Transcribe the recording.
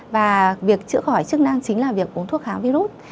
và việc chữa khỏi chức năng chính là việc uống thuốc kháng virus